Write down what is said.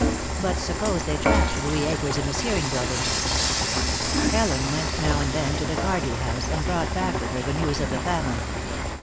But suppose they trapped Louis Akers in the Searing Building? Ellen went now and then to the Cardew house, and brought back with her the news of the family.